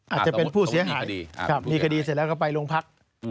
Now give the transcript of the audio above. อาจจะเป็นผู้เสียหายมีคดีเสร็จแล้วก็ไปโรงพัก